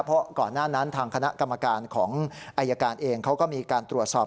เพราะก่อนหน้านั้นทางคณะกรรมการของอายการเองเขาก็มีการตรวจสอบ